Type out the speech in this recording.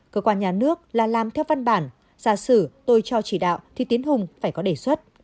cơ quan nhà nước là làm theo văn bản ra sử tôi cho chỉ đạo thì tiến hùng phải có đề xuất